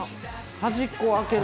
端っこを空ける？